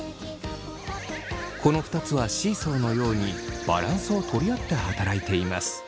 この２つはシーソーのようにバランスを取り合って働いています。